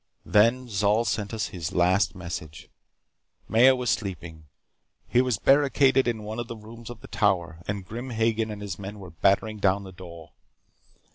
"Then Zol sent us his last message. Maya was sleeping. He was barricaded in one of the rooms of the Tower, and Grim Hagen and his men were battering down the door.